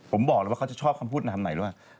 ผมบอกแล้วว่าเขาจะชอบความพูดในธรรมไหนด้วย